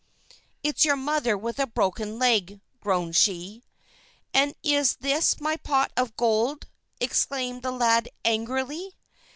"It's your mother with a broken leg," groaned she. "And is this my pot of gold!" exclaimed the lad, angrily.